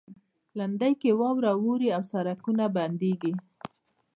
لېندۍ کې واوره اوري او سړکونه بندیږي.